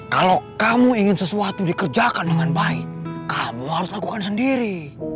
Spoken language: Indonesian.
kalau kamu ingin sesuatu dikerjakan dengan baik kamu harus lakukan sendiri